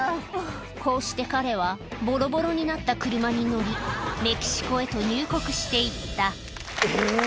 こうして彼はボロボロになった車に乗りメキシコへと入国して行ったえぇ。